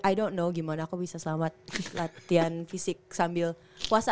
i don t know gimana aku bisa selamat latihan fisik sambil puasa